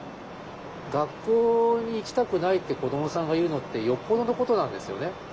学校に行きたくないって子どもさんが言うのってよっぽどのことなんですよね。